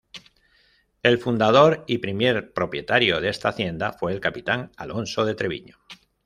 El fundador y primer propietario de esta hacienda fue el Capitán Alonso de Treviño.